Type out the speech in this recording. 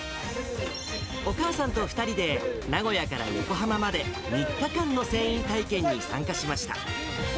お母さんと２人で、名古屋から横浜まで３日間の船員体験に参加しました。